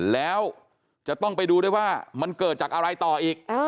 แล้วจะต้องไปดูด้วยว่ามันเกิดจากอะไรต่ออีก